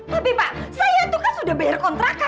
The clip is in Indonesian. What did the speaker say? tapi pak saya itu kan sudah bayar kontrakan